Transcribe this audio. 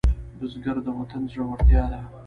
بزګر د وطن زړورتیا ده